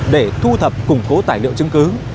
để thu thập củng cố tài liệu chứng cứ